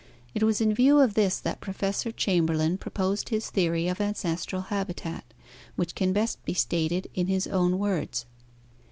It was in view of this that Professor Chamberlin proposed his theory of ancestral habitat, which can best be stated in his own words.